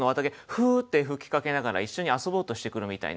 フーッて吹きかけながら一緒に遊ぼうとしてくるみたいな